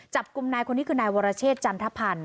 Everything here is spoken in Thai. จับกุมนายคุณิกกี้นัยวรเชษจันทพันธ์